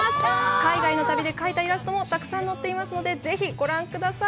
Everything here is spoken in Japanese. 海外の旅で描いたイラストもたくさん載っていますので、ぜひご覧ください。